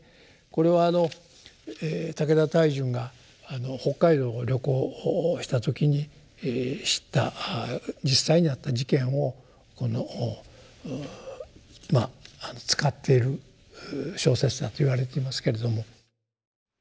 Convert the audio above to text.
これは武田泰淳が北海道を旅行した時に知った実際にあった事件をこのまあ使っている小説だといわれていますけれども。